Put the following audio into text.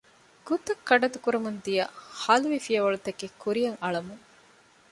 ގުތައް ކަޑަތުކުރަމުން ދިޔައީ ހަލުވި ފިޔަވަޅުތަކެއް ކުރިއަށް އަޅަމުން